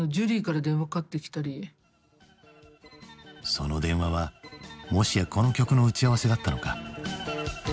その電話はもしやこの曲の打ち合わせだったのか？